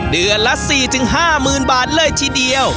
เดือนละ๔๕๐๐๐บาทเลยทีเดียว